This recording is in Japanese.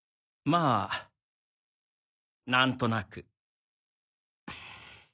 まあなんとなく。